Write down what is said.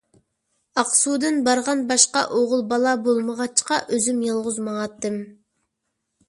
ئاقسۇدىن بارغان باشقا ئوغۇل بالا بولمىغاچقا، ئۆزۈم يالغۇز ماڭاتتىم.